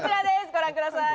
ご覧ください。